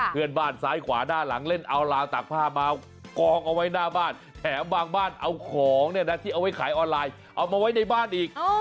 เพื่อนบ้านซ้ายขวาด้านหลังเล่นเอาราวตากผ้ามากองเอาไว้หน้าบ้านแถมบางบ้านเอาของเนี่ยนะที่เอาไว้ขายออนไลน์เอามาไว้ในบ้านอีก